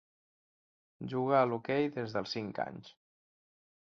Juga a l'hoquei des dels cinc anys.